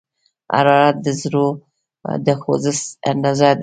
حرارت د ذرّو د خوځښت اندازه ده.